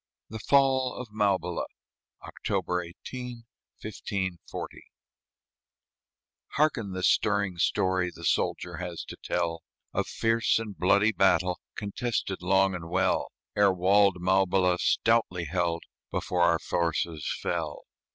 THE FALL OF MAUBILA [October 18, 1540] Hearken the stirring story The soldier has to tell, Of fierce and bloody battle, Contested long and well. Ere walled Maubila, stoutly held, Before our forces fell.